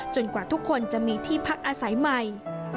กว่าทุกคนจะมีที่พักอาศัยใหม่